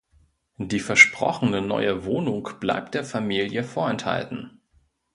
Die versprochene neue Wohnung bleibt der Familie vorenthalten.